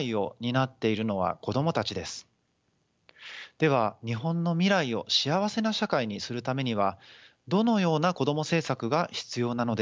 では日本の未来を幸せな社会にするためにはどのようなこども政策が必要なのでしょうか。